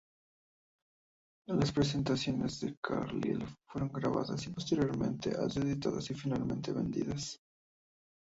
Las presentaciones de Carlile fueron grabadas y posteriormente auto-editadas y finalmente vendidas.